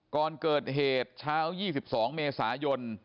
ก่อนเกิดเหตุเช้า๒๒เมษายน